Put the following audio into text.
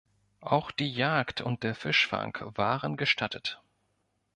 Auch die Jagd und der Fischfang waren gestattet.